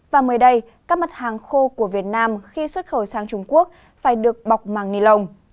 và mới đây các mặt hàng khô của việt nam khi xuất khẩu sang trung quốc phải được bọc màng ni lông